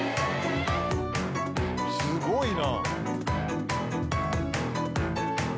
すごいな。